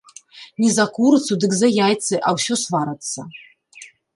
Не за курыцу, дык за яйцы, а ўсё сварацца.